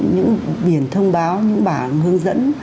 những biển thông báo những bảng hướng dẫn